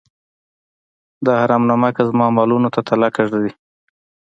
دا حرام نمکه زما مالونو ته تلکه ږدي.